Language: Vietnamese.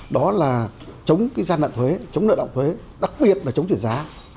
đó là chống gian nặng thuế chống nợ động thuế đặc biệt là chống chuyển giá